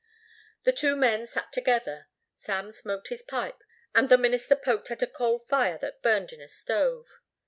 The two men sat together. Sam smoked his pipe and the minister poked at a coal fire that burned in a stove.